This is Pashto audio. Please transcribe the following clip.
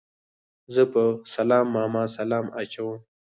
زه په سلام ماما سلام اچوم